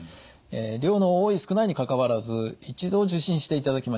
量の多い少ないにかかわらず一度受診していただきまして